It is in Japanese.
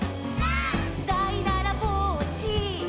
「」「だいだらぼっち」「」